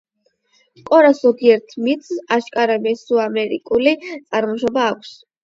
კორას ზოგიერთ მითს აშკარა მესოამერიკული წარმოშობა აქვს.